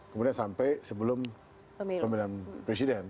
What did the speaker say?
kemudian sampai sebelum pemilihan presiden